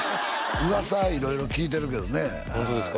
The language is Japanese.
噂は色々聞いてるけどねホントですか？